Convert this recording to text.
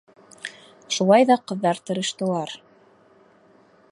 Шулай ҙа ҡыҙҙар тырыштылар.